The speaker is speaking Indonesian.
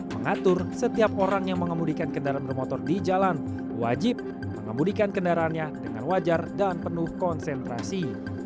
mengatur setiap orang yang mengemudikan kendaraan bermotor di jalan wajib mengemudikan kendaraannya dengan wajar dan penuh konsentrasi